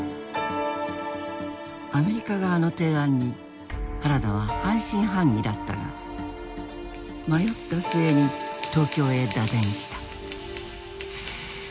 アメリカ側の提案に原田は半信半疑だったが迷った末に東京へ打電した。